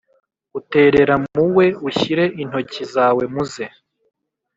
uterera mu we, ushyire intoki zawe mu ze